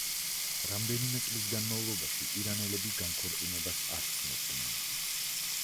რამდენიმე წლის განმავლობაში ირანელები განქორწინებას არ სცნობდნენ.